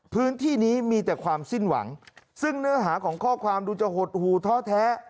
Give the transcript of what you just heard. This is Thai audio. พื้นที่นี้มีแต่ความสิ้นหวังซึ่งเนื้อหาของข้อความดูจะหดหูท้อแท้